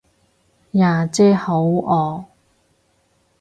呀姐好惡